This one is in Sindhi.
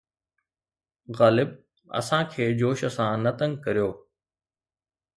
غالب! اسان کي جوش سان نه تنگ ڪريو